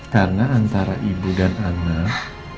karena antara ibu dan anak